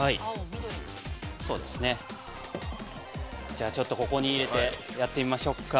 ◆じゃあ、ちょっとここに入れてやってみましょうか。